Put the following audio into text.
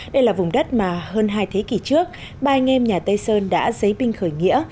đây là vùng đất mà hơn hai thế kỷ trước ba anh em nhà tây sơn đã giấy binh khởi nghĩa